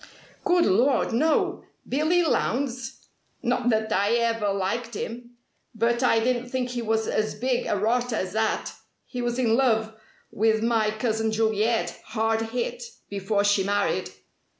"Good lord, no! Billy Lowndes! Not that I ever liked him. But I didn't think he was as big a rotter as that! He was in love with my cousin Juliet, hard hit, before she married.